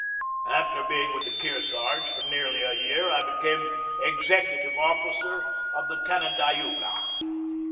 After being with the Kearsarge for nearly a year I became executive officer of the Canandaigua.